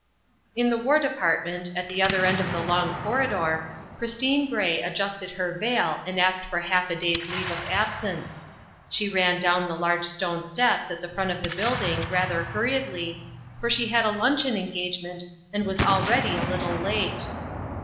In the War Department, at the other end of the long corridor, Christine Gray adjusted her veil and asked for half a day's leave of absence. She ran down the large stone steps at the front of the building rather hurriedly, for she had a luncheon engagement and was already a little late.